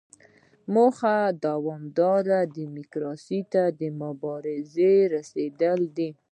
موخه پایداره ډیموکراسۍ ته د دې مبارزې رسیدل دي.